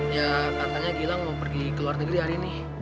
ya katanya gilang mau pergi ke luar negeri hari ini